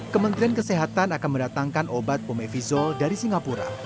kementerian kesehatan akan mendatangkan obat pomefizol dari singapura